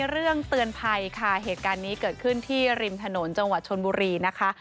เรื่องเตือนภัยค่ะเหตุการณ์นี้เกิดขึ้นที่ริมถนนจังหวัดชนบุรีนะคะ